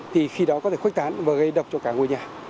thì khi đó có thể khuếch tán và gây độc cho cả ngôi nhà